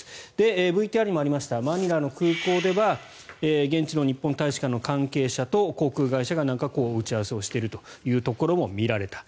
ＶＴＲにもありましたマニラの空港では現地の日本大使館の関係者と航空会社がなんか打ち合わせをしているところも見られた。